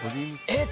えっ⁉